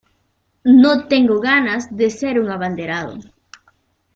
No tengo ganas de ser un abanderado.